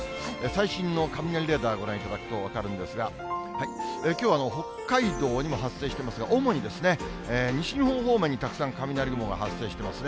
最新の雷レーダーご覧いただくと分かるんですが、きょうは北海道にも発生していますが、主にですね、西日本方面にたくさん雷雲が発生してますね。